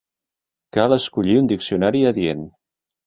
Cal escollir un diccionari adient.